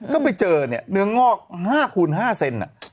ก็ไปเจอเนี่ยเนื้องอก๕คูณ๕เซน